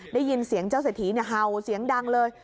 ได้ยินเสียงเจ้าเศรษฐีเห่าเสียงดังเลย